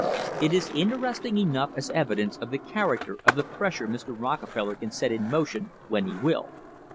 It is interest ing enough as evidence of the character of the pressure Mr. Rockefeller can set in motion when he will.